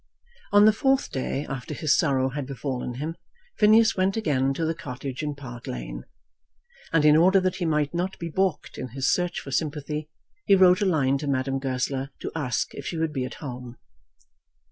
On the fourth day after his sorrow had befallen him, Phineas went again to the cottage in Park Lane. And in order that he might not be balked in his search for sympathy he wrote a line to Madame Goesler to ask if she would be at home.